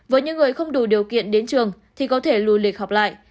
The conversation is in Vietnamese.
với những người không đủ điều kiện đến trường thì có thể lùi lịch học lại